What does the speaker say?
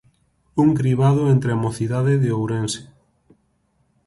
Un cribado entre a mocidade de Ourense.